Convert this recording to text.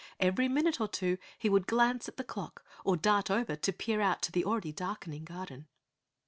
Every minute or two he would glance at the clock or dart over to peer out to the already darkening garden.